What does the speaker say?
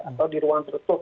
atau di ruang tertutup